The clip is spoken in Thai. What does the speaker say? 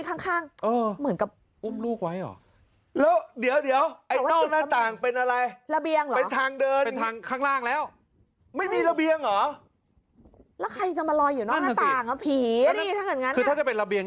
แฟนเขาจะลอยมารึไงละน้ำแข็ง